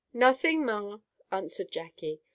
"Nothing, ma," answered Jackie.